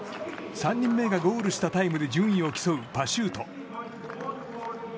３人目がゴールしたタイムで順位を競うパシュート。